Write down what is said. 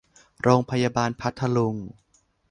โรงพยาบาลพัทลุง